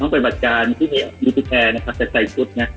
ต้องไปบัจจารย์ที่มีอาร์มีลูตุแคร์ใส่ชุด